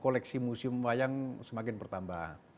koleksi musim wayang semakin pertambah